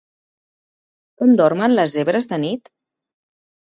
Com dormen les zebres de nit?